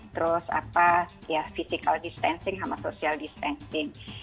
terus apa ya physical distancing sama social distancing